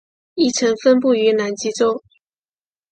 亦曾分布于南极洲。